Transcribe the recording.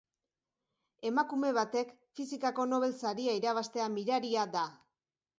Emakume batek fisikako Nobel saria irabaztea miraria da.